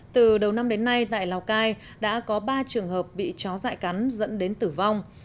từ đầu năm đến nay tại lào cai đã có ba trường hợp bị chó dại cắn dẫn đến tử vong